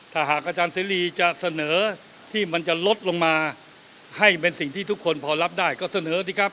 ถ้าหากอาจารย์เสรีจะเสนอที่มันจะลดลงมาให้เป็นสิ่งที่ทุกคนพอรับได้ก็เสนอสิครับ